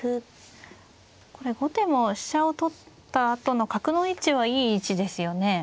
これ後手も飛車を取ったあとの角の位置はいい位置ですよね。